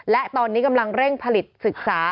และตอนนี้กำลังเร่งผลิตศึกษา